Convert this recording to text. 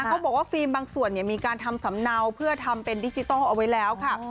เขาบอกว่าฟิล์มบางส่วนมีการทำสำเนาเพื่อทำเป็นดิจิทัลเอาไว้แล้วค่ะ